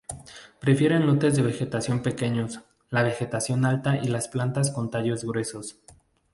Prefieren lotes de vegetación pequeños, la vegetación alta y las plantas con tallos gruesos.